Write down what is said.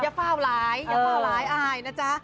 ยังฝ่าวร้ายยังฝ่าวร้ายอายนะจ๊ะ